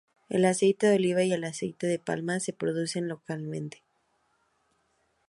El aceite de oliva y aceite de palma se producen localmente.